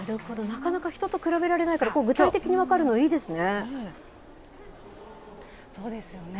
なかなか人と比べられないから具体的に分かるのいそうですよね。